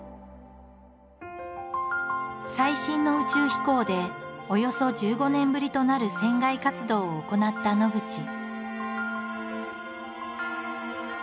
最新の宇宙飛行でおよそ１５年ぶりとなる船外活動を行った野口。